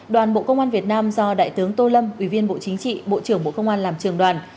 đoàn bộ công an việt nam do đại tướng tô lâm ủy viên bộ chính trị bộ trưởng bộ công an làm trường đoàn